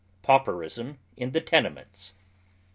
PAUPERISM IN THE TENEMENTS.